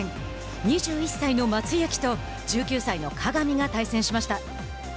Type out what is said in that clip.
２１歳の松雪と１９歳の鏡が対戦しました。